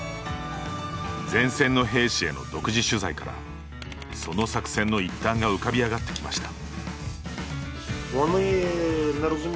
前線の兵士への独自取材からその作戦の一端が浮かび上がってきました。